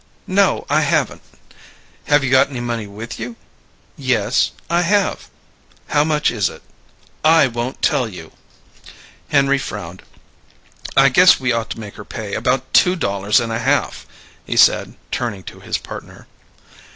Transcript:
"No, I haven't." "Have you got any money with you?" "Yes, I have." "How much is it?" "I won't tell you." Henry frowned. "I guess we ought to make her pay about two dollars and a half," he said, turning to his partner.